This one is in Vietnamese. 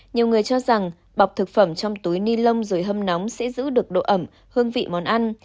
nhiều người cho rằng bọc thực phẩm trong túi ni lông rồi hâm nóng sẽ giữ được độ ẩm hương vị món ăn